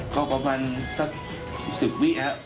ก็ประมาณสัก๑๐วิครับ